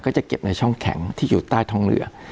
จะเก็บในช่องแข็งที่อยู่ใต้ท้องเรือ